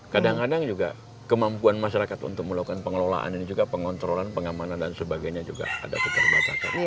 kadang kadang juga kemampuan masyarakat untuk melakukan pengelolaan ini juga pengontrolan pengamanan dan sebagainya juga ada keterbatasan